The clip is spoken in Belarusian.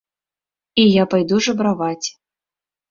І я пайду жабраваць.